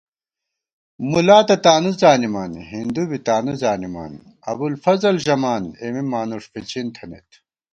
مُلا تہ تانُو زانِمان ہِندُو بی تانُو زانِمان ابُوالفضل ژَمان اېمےمانُݭفِچِن تھنَئیت